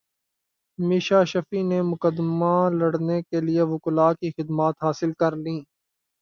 میشا شفیع نے مقدمہ لڑنے کیلئے وکلاء کی خدمات حاصل کرلیں